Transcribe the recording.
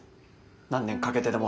何年かけてでも。